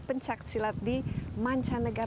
dan juga olimpiade